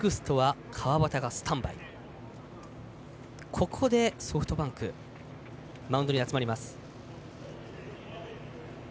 ここでソフトバンクマウンドに集まりました。